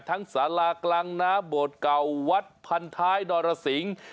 ทั้งสารากลางนะโบสถ์เก่าวัดพันท้ายนอรสิง